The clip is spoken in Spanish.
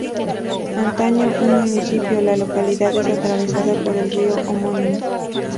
Antaño un municipio, la localidad es atravesada por el río homónimo.